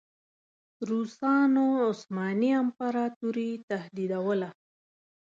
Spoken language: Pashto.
روسانو عثماني امپراطوري تهدیدوله.